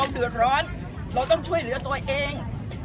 เดือดร้อนเราต้องช่วยเหลือตัวเอง